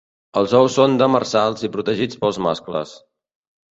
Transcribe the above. Els ous són demersals i protegits pels mascles.